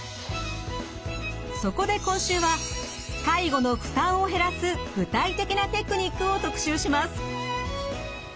そこで今週は介護の負担を減らす具体的なテクニックを特集します。